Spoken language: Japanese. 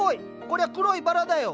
こりゃ黒いバラだよ。